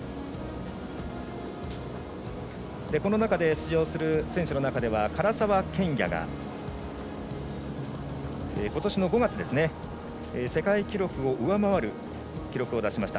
出場する選手の中では唐澤剣也が今年の５月世界記録を上回る記録を出しました。